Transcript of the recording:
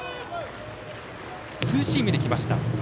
ツーシームで来ました。